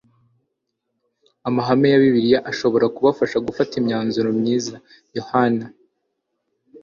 Amahame ya Bibiliya ashobora kubafasha gufata imyanzuro myiza Yohana